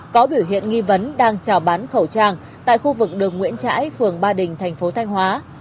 có biểu hiện nghi vấn đang trào bán khẩu trang tại khu vực đường nguyễn trãi phường ba đình thành phố thanh hóa